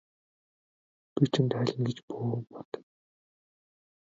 Би чамд хайлна гэж бүү бод.